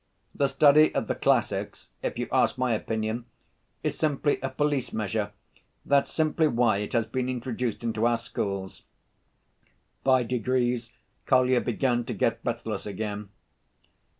"The study of the classics, if you ask my opinion, is simply a police measure, that's simply why it has been introduced into our schools." By degrees Kolya began to get breathless again.